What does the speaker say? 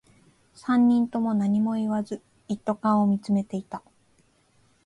三人とも何も言わず、一斗缶を見つめていた